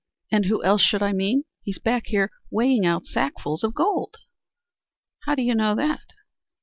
"And who else should I mean? He's back here weighing out sackfuls of gold." "How do you know that?"